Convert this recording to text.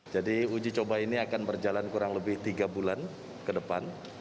jadi uji coba ini akan berjalan kurang lebih tiga bulan ke depan